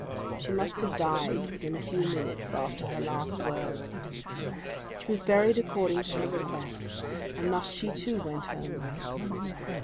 She must have died within a few minutes after her last words. She was buried according to her request; and thus she too went home.